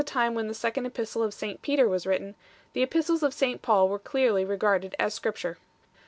time when the Second Epistle of St Peter was written, the Epistles of St Paul were clearly regarded as Scripture 1